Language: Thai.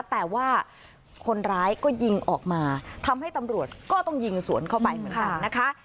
แต่ว่าคนร้ายก็ยิงออกมาทำให้ตำรวจก็ต้องยิงสวนเข้าไปเหมือนกันนะคะ